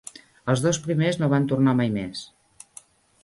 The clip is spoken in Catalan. Els dos primers no van tornar mai més.